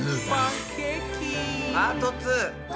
パート２！